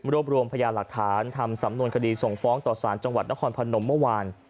รวมรวมพยาหลักฐานทำสำนวนคดีส่งฟ้องต่อสารจังหวัดนครพนมเมื่อวาน